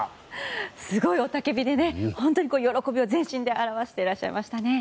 すごい雄たけびで本当に喜びを全身で表していらっしゃいましたね。